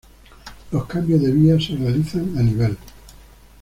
Los cambios de vía se realizan a nivel.